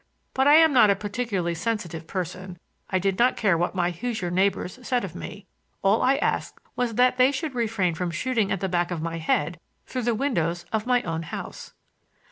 But I am not a particularly sensitive person; I did not care what my Hoosier neighbors said of me; all I asked was that they should refrain from shooting at the back of my head through the windows of my own house.